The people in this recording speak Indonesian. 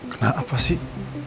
kena apa sih